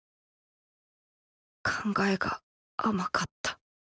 考えが甘かった。